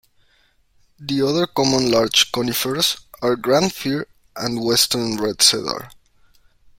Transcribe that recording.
The other common large conifers are grand fir and western red cedar.